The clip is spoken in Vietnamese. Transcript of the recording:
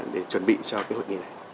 để chuẩn bị cho cái hội nghị này